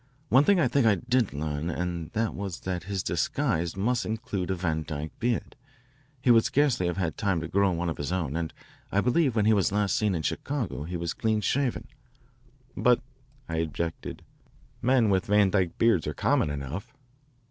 One thing I think I did learn and that was that his disguise must include a Van Dyke beard. He would scarcely have had time to grow one of his own and I believe when he was last seen in Chicago he was clean shaven." "But," I objected, "men with Van Dyke beards are common enough."